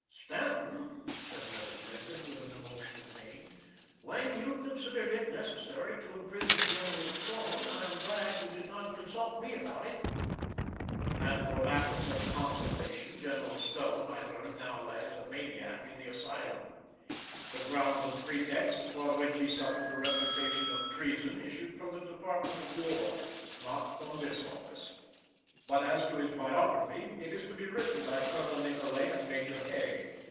"Stanton," said Mr. Lincoln, with an emotion of pain, "when you considered it necessary to imprison General Stone, I am glad you did not consult me about it." And for lack of such consultation, General Stone, I learn, now lies a maniac in the asylum. The groundless pretext, upon which he suffered the reputation of treason, issued from the Department of War not from this office. But as to his biography, it is to be written by Colonel Nicolay and Major Hay.